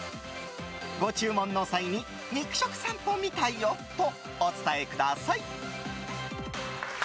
ご注文の際に肉食さんぽ見たよとお伝えください。